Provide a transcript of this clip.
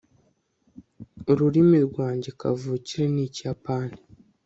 ururimi rwanjye kavukire ni ikiyapani